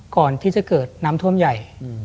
ก่อนที่จะเกิดน้ำท่วมใหญ่